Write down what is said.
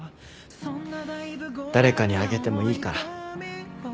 誰かにあげてもいいから。